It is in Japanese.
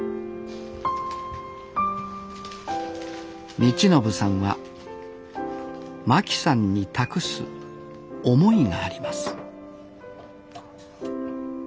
充布さんは真樹さんに託す思いがあります